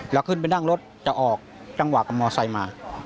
เราขึ้นไปนั่งรถจะออกจังหวะกับมอร์ไซมา